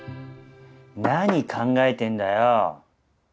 何考えてんだよ！